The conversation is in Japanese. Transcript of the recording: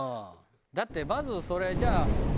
だってまずそれじゃあハハハハ！